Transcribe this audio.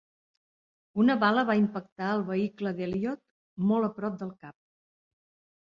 Una bala va impactar al vehicle d'Elliott, molt a prop del cap.